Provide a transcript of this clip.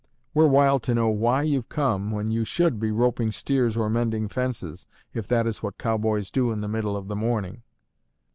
"We're wild to know why you've come when you should be roping steers or mending fences, if that is what cowboys do in the middle of the morning."